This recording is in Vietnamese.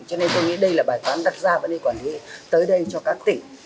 cho nên tôi nghĩ đây là bài toán đặt ra và nên quản lý tới đây cho các tỉnh